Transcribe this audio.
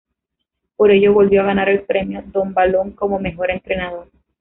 Por ello, volvió a ganar el Premio Don Balón como mejor entrenador.